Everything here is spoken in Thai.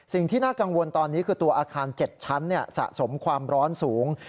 สิ่งที่น่ากังวลตอนนี้คือตัวอาคาร๗ชั้นสะสมความร้อนสูง